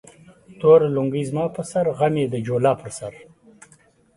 توره لنگۍ زما پر سر ، غم يې د جولا پر سر